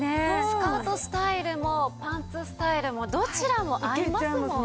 スカートスタイルもパンツスタイルもどちらも合いますもんね。